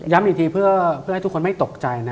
ย้ำอีกทีเพื่อที่ทุกคนไม่ตกใจนะ